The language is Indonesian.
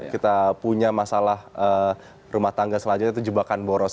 kita punya masalah rumah tangga selanjutnya itu jebakan boros